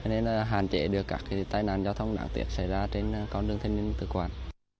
nên là hạn chế được các tai nạn giao thông đáng tiếc xảy ra trên con đường thanh niên tự quản